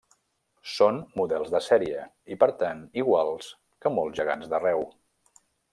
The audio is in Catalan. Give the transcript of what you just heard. Són models de sèrie i, per tant, iguals que molts gegants d'arreu.